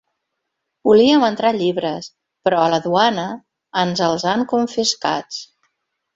Volíem entrar llibres, però a la duana ens els han confiscats.